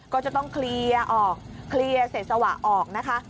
ก็จะต้องเคลียร์ออกเคลียร์เสร็จสวะออกนะคะ